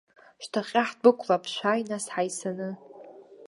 Шьҭахьҟа ҳдәықәлап, шәааи, нас, ҳаисаны.